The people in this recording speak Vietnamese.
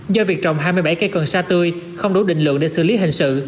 do việc trồng hai mươi bảy cây cần sa tươi không đủ định lượng để xử lý hình sự